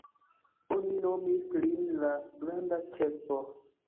Oni nomis lin la »Granda Ĉefo«.